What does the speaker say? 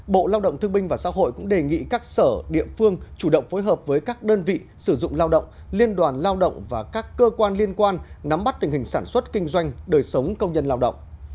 bộ lao động thương binh và xã hội cũng đề nghị các sở địa phương chủ động phối hợp với các đơn vị sử dụng lao động liên đoàn lao động và các cơ quan liên quan nắm bắt tình hình sản xuất kinh doanh đời sống công nhân lao động